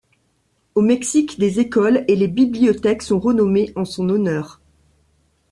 Au Mexique, des écoles et les bibliothèques sont renommées en son honneur.